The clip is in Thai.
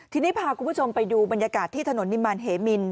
ทีนี้พาคุณผู้ชมไปดูบรรยากาศที่ถนนนิมารเหมิน